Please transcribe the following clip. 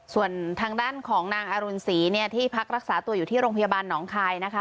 ส่วนทางด้านของนางอรุณศรีเนี่ยที่พักรักษาตัวอยู่ที่โรงพยาบาลหนองคายนะคะ